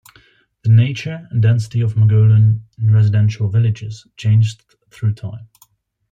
The nature and density of Mogollon residential villages changed through time.